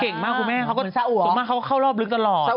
เก่งมากคุณแม่เขาก็สมมติเขาเข้ารอบลึกตลอดค่ะ